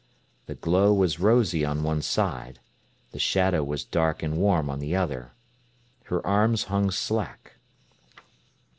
The glow was rosy on one side, the shadow was dark and warm on the other. Her arms hung slack.